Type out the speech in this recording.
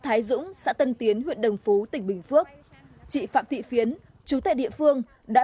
thái dũng xã tân tiến huyện đồng phú tỉnh bình phước chị phạm thị phiến chú tệ địa phương đã